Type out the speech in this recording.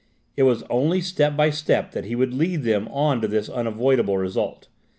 It was only step by step that he would lead them on to this unavoidable result.